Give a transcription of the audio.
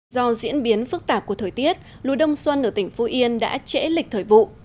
do diễn biến phức tạp của thời tiết lúa đông xuân ở tỉnh phú yên đã trễ lịch thời vụ